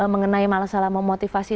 mengenai masalah memotivasi